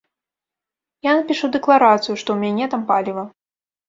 Я напішу дэкларацыю, што ў мяне там паліва.